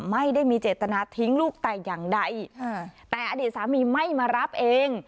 ไม่ได้มีเจตนาทิ้งลูกแต่อย่างใดแต่อดีตสามีไม่มารับเอง